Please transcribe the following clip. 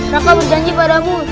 raka berjanji padamu